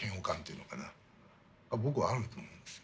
僕はあると思うんですよ